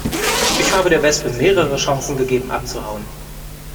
Ich habe der Wespe mehrere Chancen gegeben abzuhauen.